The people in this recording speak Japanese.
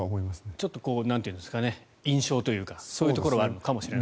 ちょっと印象というかそういうところがあるかもしれませんね。